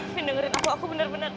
fin dengerin aku aku bener bener